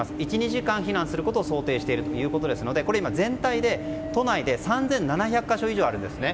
１２時間避難することを想定しているということですので今、全体で都内で３７００か所以上あるんですね。